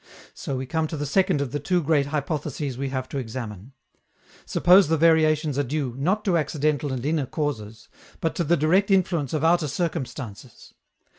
So we come to the second of the two great hypotheses we have to examine. Suppose the variations are due, not to accidental and inner causes, but to the direct influence of outer circumstances.